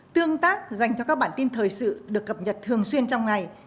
tương tác dành cho các bản tin thời sự được cập nhật thường xuyên trong ngày